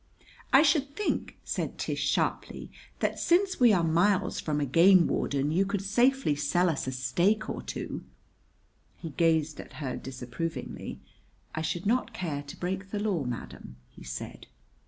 "I should think," said Tish sharply, "that, since we are miles from a game warden, you could safely sell us a steak or two." He gazed at her disapprovingly. "I should not care to break the law, madam," he said.